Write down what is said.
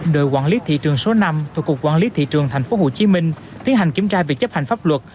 đội quản lý thị trường số năm thuộc cục quản lý thị trường tp hcm tiến hành kiểm tra việc chấp hành pháp luật